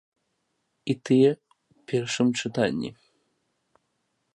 І тыя ў першым чытанні.